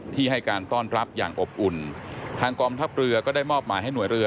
ที่ให้การต้อนรับอย่างอบอุ่นทางกองทัพเรือก็ได้มอบหมายให้หน่วยเรือ